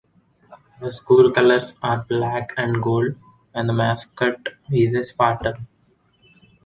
The school colors are black and gold, and the mascot is a Spartan.